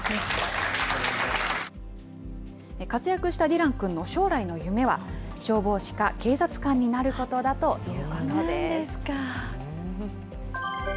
活躍したディラン君の将来の夢は、消防士か警察官になることだということです。